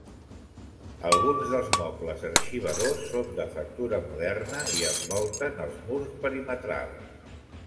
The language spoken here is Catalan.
Alguns dels mobles arxivadors són de factura moderna i envolten els murs perimetrals.